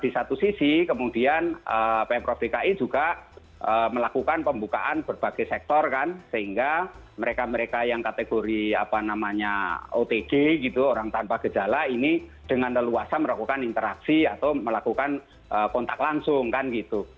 di satu sisi kemudian pemprov dki juga melakukan pembukaan berbagai sektor kan sehingga mereka mereka yang kategori apa namanya otg gitu orang tanpa gejala ini dengan leluasa melakukan interaksi atau melakukan kontak langsung kan gitu